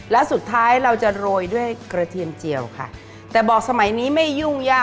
และสุดท้ายเราจะโรยด้วยกระเทียมเจียวค่ะแต่บอกสมัยนี้ไม่ยุ่งยาก